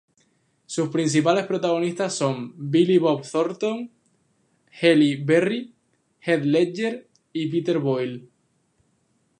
Sus principales protagonistas son Billy Bob Thornton, Halle Berry, Heath Ledger y Peter Boyle.